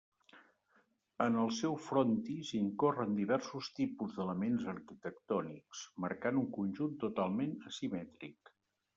En el seu frontis incorren diversos tipus d'elements arquitectònics, marcant un conjunt totalment asimètric.